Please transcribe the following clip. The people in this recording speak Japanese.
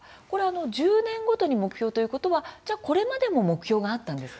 １０年ごとに目標ということはこれまでも目標があったんですか。